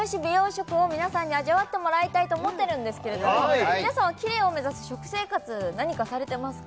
食を皆さんに味わってもらいたいと思ってるんですけれども皆さんはキレイを目指す食生活何かされてますか？